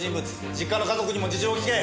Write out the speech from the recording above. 実家の家族にも事情を聞け。